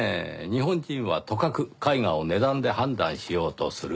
日本人はとかく絵画を値段で判断しようとする。